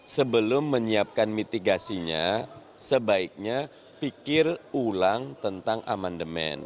sebelum menyiapkan mitigasinya sebaiknya pikir ulang tentang amandemen